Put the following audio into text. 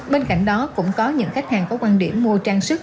bên cạnh đó cũng có những khách hàng có quan điểm mua trang sức